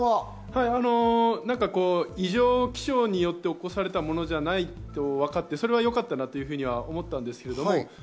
異常気象によって起こされたものじゃないと分かってよかったと思うんですけれども。